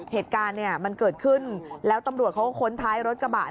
เหตุการณ์เนี่ยมันเกิดขึ้นแล้วตำรวจเขาก็ค้นท้ายรถกระบะ